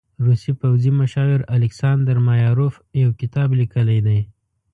روسي پوځي مشاور الکساندر مایاروف يو کتاب لیکلی دی.